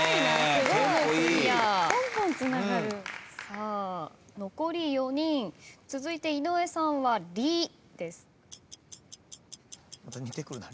さあ残り４人続いて井上さんは「り」また似てくるな。